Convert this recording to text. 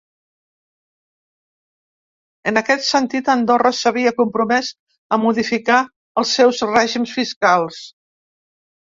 En aquest sentit, Andorra s’havia compromès a modificar els seus règims fiscals.